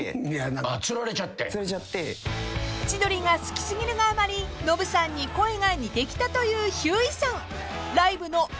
［千鳥が好き過ぎるがあまりノブさんに声が似てきたというひゅーいさん］［ライブのあるシーンが話題に］